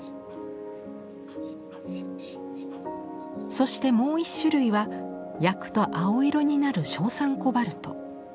そしてもう１種類は焼くと青色になる硝酸コバルト。